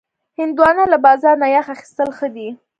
هندوانه له بازار نه یخ اخیستل ښه دي.